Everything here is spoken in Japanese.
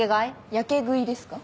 ヤケ食いですか？